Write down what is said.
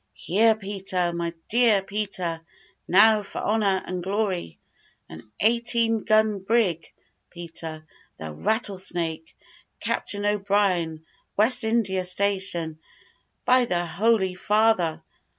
"Here, Peter, my dear Peter; now for honour and glory. An eighteen gun brig, Peter. The Rattlesnake Captain O'Brien West India station. By the holy father!